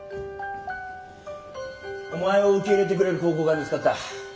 お前を受け入れてくれる高校が見つかった。